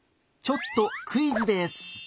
ちょっとクイズです。